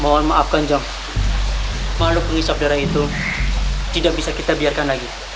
mohon maaf kanjeng makhluk pengisap darah itu tidak bisa kita biarkan lagi